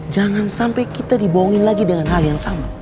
jangan sampai kita dibohongin lagi dengan hal yang sama